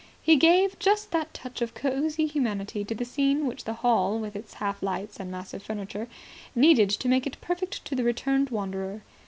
He gave just that touch of cosy humanity to the scene which the hall with its half lights and massive furniture needed to make it perfect to the returned wanderer.